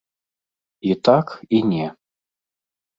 І так, і не.